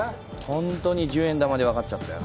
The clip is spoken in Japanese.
ほんとに十円玉でわかっちゃったよ。